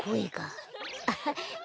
アハッ！